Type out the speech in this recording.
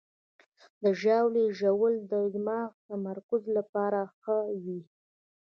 د ژاولې ژوول د دماغي تمرکز لپاره ښه وي.